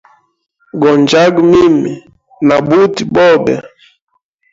Go njyaga mimi na buti bobe.